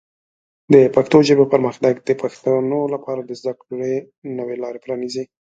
د پښتو ژبې پرمختګ د پښتنو لپاره د زده کړې نوې لارې پرانیزي.